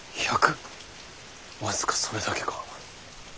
僅かそれだけか？